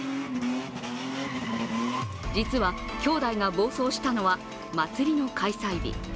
実は兄弟が暴走したのは、祭りの開催日。